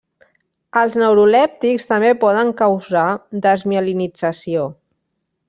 Els neurolèptics també poden causar desmielinització.